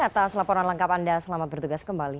atas laporan lengkap anda selamat bertugas kembali